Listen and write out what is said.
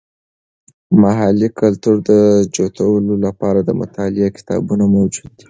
د محلي کلتور د جوتولو لپاره د مطالعې کتابونه موجود دي.